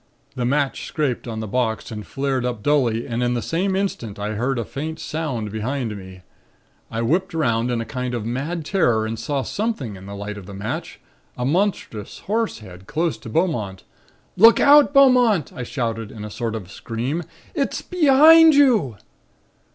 "The match scraped on the box and flared up dully and in the same instant I heard a faint sound behind me. I whipped 'round in a kind of mad terror and saw something in the light of the match a monstrous horse head close to Beaumont. "'Look out, Beaumont!' I shouted in a sort of scream. 'It's behind you!'